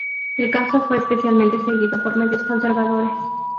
El caso fue especialmente seguido por medios conservadores.